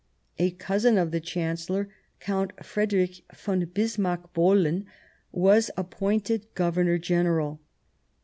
A cousin of the Chancellor, Count Frederick von Bismarck Bohlen, was appointed Governor General.